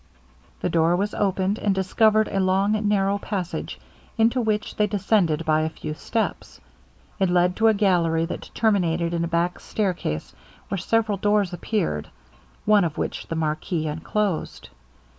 The door was opened, and discovered a long narrow passage, into which they descended by a few steps. It led to a gallery that terminated in a back stair case, where several doors appeared, one of which the marquis unclosed.